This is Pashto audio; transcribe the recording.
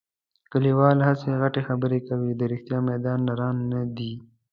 کلیوال هسې غټې خبرې کوي. د رښتیا میدان نران نه دي.